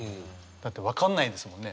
だって分かんないですもんね。